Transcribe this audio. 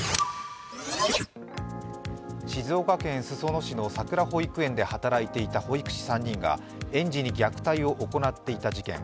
静岡県裾野市のさくら保育園で働いていた保育士３人が園児に虐待を行っていた事件。